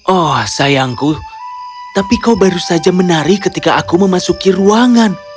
oh sayangku tapi kau baru saja menari ketika aku memasuki ruangan